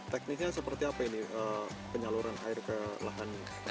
tekniknya seperti apa ini penyaluran air ke lahan